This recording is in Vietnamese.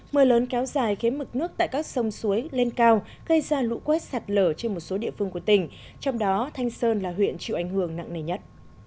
mưa lớn kéo dài khiến mực nước tại các sông suối lên cao gây ra lũ quét sạt lở trên một số địa phương của tỉnh trong đó thanh sơn là huyện chịu ảnh hưởng nặng nề nhất